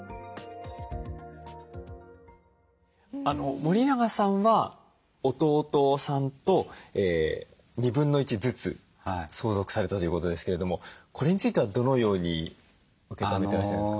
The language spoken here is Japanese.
森永さんは弟さんと1/2ずつ相続されたということですけれどもこれについてはどのように受け止めてらっしゃるんですか？